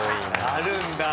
あるんだ！